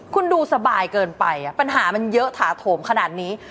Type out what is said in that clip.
คุณดูสบายเกินไปปัญหามันเยอะถาโถมขนาดนี้